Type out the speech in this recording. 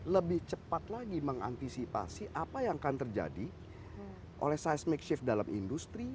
lebih cepat lagi mengantisipasi apa yang akan terjadi oleh seismic shift dalam industri